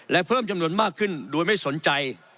และเพิ่มจำนวนมากขึ้นโดยไม่สนใจ